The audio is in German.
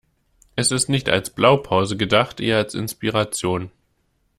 Es ist nicht als Blaupause gedacht, eher als Inspiration.